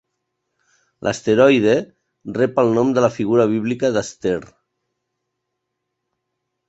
L'asteroide rep el nom de la figura bíblica d"Esther.